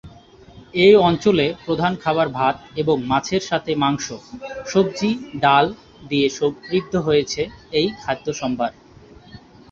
এই অঞ্চলে প্রধান খাবার ভাত এবং মাছের সাথে মাংস, সব্জি, ডাল দিয়ে সমৃদ্ধ হয়েছে এর খাদ্য সম্ভার।